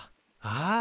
ああ！